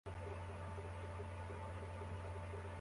Urubura rufata ifoto imbere yibiti bimwe